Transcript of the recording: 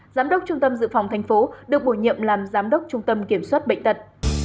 giám đốc trung tâm dự phòng tp được bổ nhiệm làm giám đốc trung tâm kiểm soát bệnh tật